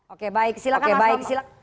oke baik silahkan